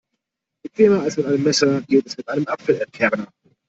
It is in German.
Bequemer als mit einem Messer geht es mit einem Apfelentkerner.